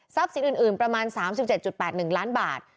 สินอื่นประมาณ๓๗๘๑ล้านบาท